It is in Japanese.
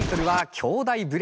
兄弟。